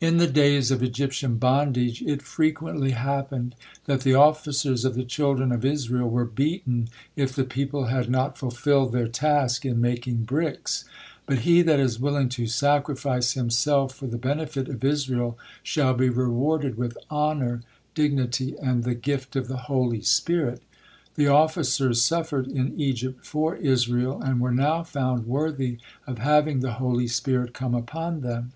In the days of Egyptian bondage it frequently happened that the officers of the children of Israel were beaten if the people had not fulfilled their task in making bricks, but "he that is willing to sacrifice himself for the benefit of Israel shall be rewarded with honor, dignity, and the gift of the Holy Spirit." The officers suffered in Egypt for Israel, and were now found worthy of having the Holy Spirit come upon them.